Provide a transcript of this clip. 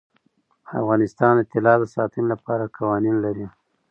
افغانستان د طلا د ساتنې لپاره قوانین لري.